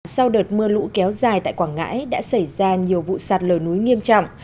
sau đợt mưa lũ kéo dài tại quảng ngãi đã xảy ra nhiều vụ sạt lở núi nghiêm trọng